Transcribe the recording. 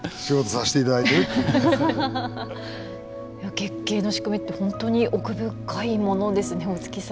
月経の仕組みって本当に奥深いものですね大槻さん。